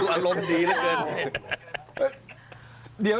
อารมณ์ดีน่ะเกิน